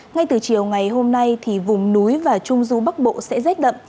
ngay từ chiều ngày hôm nay thì vùng núi và trung du bắc bộ sẽ rét đậm